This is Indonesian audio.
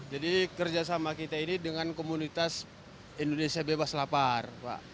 jadi kerjasama kita ini dengan komunitas indonesia bebas lapar